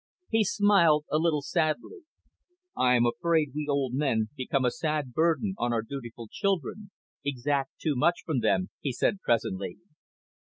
He smiled a little sadly. "I am afraid we old men become a sad burden on our dutiful children, exact too much from them," he said presently.